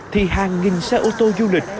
thì hàng nghìn xe ô tô du lịch